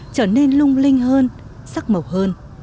trở nên lung linh hơn sắc màu hơn